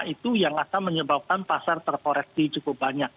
itu yang akan menyebabkan pasar terkoreksi cukup banyak